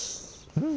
うん。